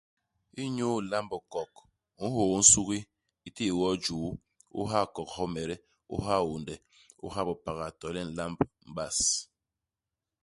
Inyu lamb hikok, u nhôô nsugi, u tee wo i juu, u ha hikok hyomede, u ha hiônde, u ha bipaga to le nlamb ni bas.